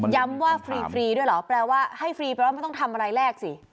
ย้ำว่าฟรีด้วยเหรอแปลว่าให้ฟรีแปลว่าไม่ต้องทำอะไรแรกสิ